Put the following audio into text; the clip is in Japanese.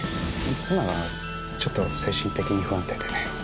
妻がちょっと精神的に不安定でね。